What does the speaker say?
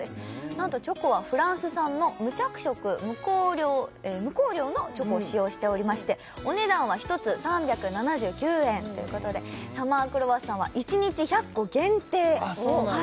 なんとチョコはフランス産の無着色無香料のチョコを使用しておりましてお値段は１つ３７９円ということでサマークロワッサンは１日１００個限定あっそうなんだ